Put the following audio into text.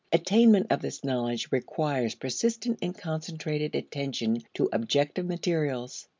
Attainment of this knowledge requires persistent and concentrated attention to objective materials.